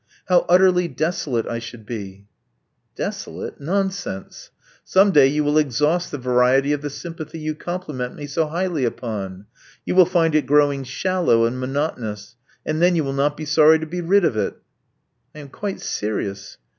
How utterly desolate I should be!" Desolate! Nonsense. Some day you will exhaust the variety of the sympathy you compliment me so highly upon. You will find it growing shallow and monotonous; and then you will not be sorry to be rid of it." '*I am quite serious.